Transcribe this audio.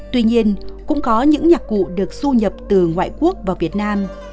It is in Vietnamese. tuy nhiên cũng có những nhạc cụ được du nhập từ ngoại quốc vào việt nam